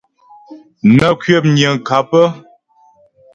Nə́ kwəpnyə́ ŋkâp.